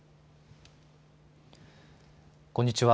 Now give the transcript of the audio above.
こんにちは。